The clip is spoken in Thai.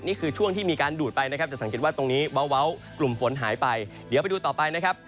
นี่คือช่วงที่มีการดูดไปนะครับจะสังเกตว่าตรงนี้เว้ากลุ่มฝนหายไปเดี๋ยวไปดูต่อไปนะครับ